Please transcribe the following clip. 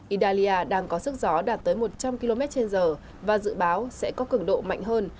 italia đang có sức gió đạt tới một trăm linh km trên giờ và dự báo sẽ có cực độ mạnh hơn